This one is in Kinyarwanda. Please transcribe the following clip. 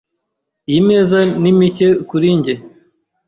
Iyi meza ni mike kuri njye.